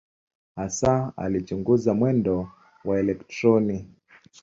Hasa alichunguza mwendo wa elektroni.